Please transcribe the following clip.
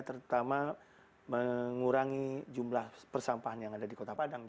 terutama mengurangi jumlah persampahan yang ada di kota padang